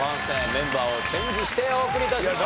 メンバーをチェンジしてお送り致します。